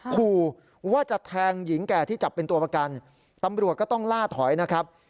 ขู่ว่าจะแทงหญิงแก่ที่จับเป็นตัวประกันตำรวจก็ต้องล่าถอยนะครับ